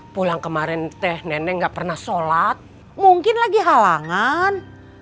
pulang kemarin teh nenek gak pernah sholat mungkin lagi halangan